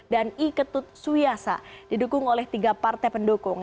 dan iketut suyasa didukung oleh tiga partai pendukung